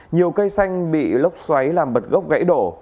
nhiều cây xanh bị lốc xoáy làm bật gốc gãy đổ